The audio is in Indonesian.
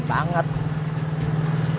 biasanya juga sepi